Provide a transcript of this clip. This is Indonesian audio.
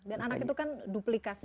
dan anak itu kan duplikasi